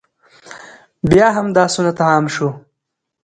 بیا همدا سنت عام شو،